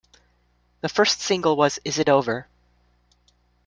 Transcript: The first single was Is It Over?